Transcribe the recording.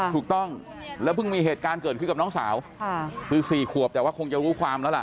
ถูกต้องแล้วเพิ่งมีเหตุการณ์เกิดขึ้นกับน้องสาวคือ๔ขวบแต่ว่าคงจะรู้ความแล้วล่ะ